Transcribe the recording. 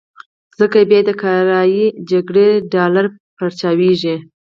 ځکه بيا یې د کرايي جګړې ډالر پارچاوېږي.